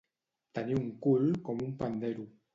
Tenir un cul com un pandero.